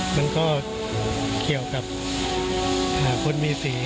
มันก็เขียวกับผู้มีศีร์